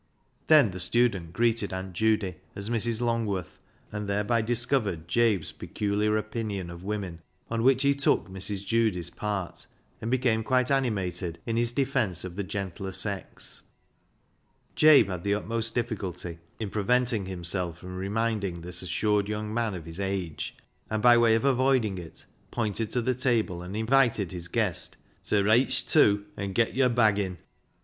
Then the student greeted Aunt Judy as Mrs. Longworth, and thereby discovered Jabe's peculiar opinion of women, on which he took Mrs. Judy's part, and became quite animated in his defence of the gentler sex. Jabe had the utmost difficulty in preventing himself from reminding this assured young man of his age, and by way of avoiding it, pointed to the table, and invited his guest to " Reich tew an' get yore baggin'."